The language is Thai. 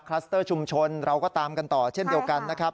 สเตอร์ชุมชนเราก็ตามกันต่อเช่นเดียวกันนะครับ